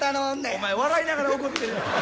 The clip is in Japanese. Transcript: お前笑いながら怒ってるやないか。